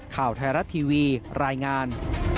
ข่าวไทยรัฐทีวีรายงาน